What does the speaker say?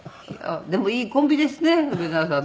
でもいいコンビですね梅沢さんと。